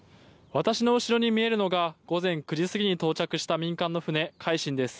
私の後ろに見えるのが午前９時過ぎに到着した民間の船「海進」です。